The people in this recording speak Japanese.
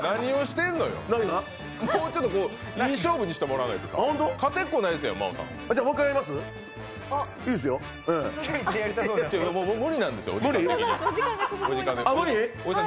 もうちょっといい勝負にしてもらわないとさ、勝てっこないじゃん、真央さん。